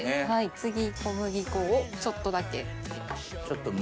次小麦粉をちょっとだけ付けます。